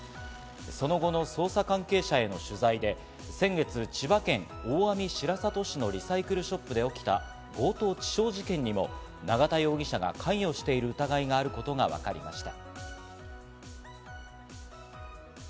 その後の捜査関係者への取材で先月、千葉県大網白里市のリサイクルショップで起きた強盗致傷事件にも永田容疑者が関与している疑いがあることがわかりました。